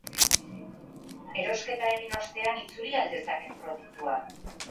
Erosketa egin ostean, itzuli al dezaket produktua?